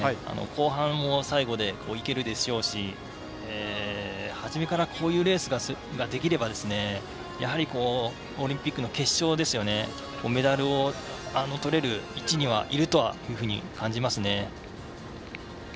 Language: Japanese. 後半も最後でいけるでしょうし初めからこういうレースができればやはり、オリンピックの決勝メダルをとれる位置にはいるとは感じますね。